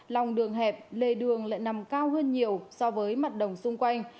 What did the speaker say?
lòng đường hẹp lề đường lại nằm cao hơn nhiều so với mặt đồng xung quanh